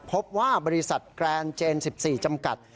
พบว่าบริษัทแกรนเจน๑๔จำกัด